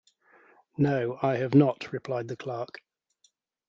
‘No, I have not,’ replied the clerk.